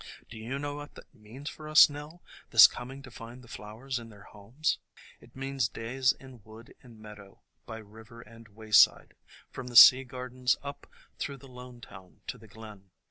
Do you know what that means for us, Nell, this coming to find the flowers in their homes? "It means days in wood and meadow, by river and wayside, from the sea gardens up through Lone town to the glen.